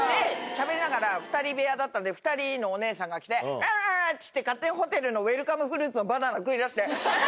しゃべりながら、２人部屋だったんで、２人のお姉さんが来て、うわーって言って、勝手にホテルのウエルカムフルーツのバナナ食いだして。